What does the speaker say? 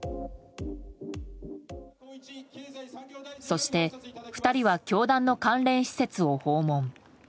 そして２人は教団の関連施設を訪問。